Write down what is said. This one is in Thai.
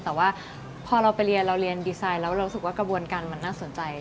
แต่ว่าพอเราไปเรียนเราเรียนดีไซน์แล้วเรารู้สึกว่ากระบวนการมันน่าสนใจ